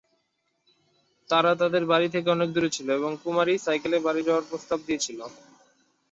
তারা তাদের বাড়ি থেকে অনেক দূরে ছিল এবং কুমারী সাইকেলে বাড়ি যাওয়ার প্রস্তাব দিয়েছিল।